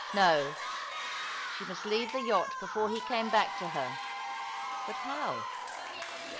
No, she must leave the yacht before he came back to her, But how